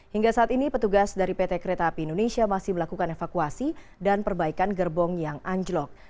hingga saat ini petugas dari pt kereta api indonesia masih melakukan evakuasi dan perbaikan gerbong yang anjlok